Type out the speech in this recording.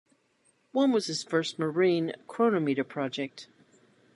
One was his first marine chronometer project.